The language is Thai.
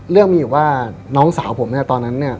เรื่องมีอยู่ว่าน้องสาวผมตอนนั้น